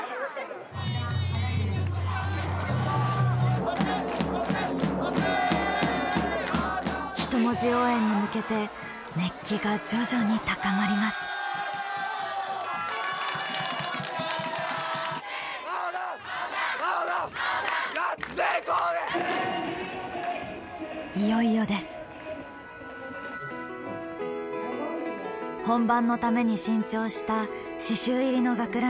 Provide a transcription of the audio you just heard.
本番のために新調した刺しゅう入りの学ランに着替えて。